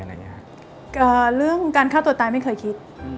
เรื่องการฆ่าตัวตายไม่เคยคิด